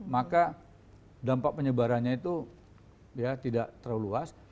maka dampak penyebarannya itu ya tidak terlalu luas